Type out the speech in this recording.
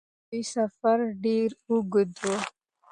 د دوی سفر ډېر اوږد و.